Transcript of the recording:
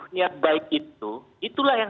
niat baik itu itulah yang